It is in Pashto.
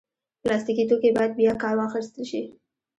پلاستيکي توکي باید بیا کار واخیستل شي.